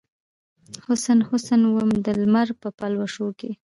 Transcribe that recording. حسن ، حسن وم دلمر په پلوشو کې